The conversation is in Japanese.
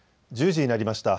１０時になりました。